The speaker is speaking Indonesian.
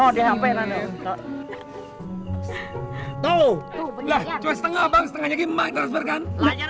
noh di hp nah noh tuh tuh beneran lah cuai setengah bang setengahnya gimana transfer kan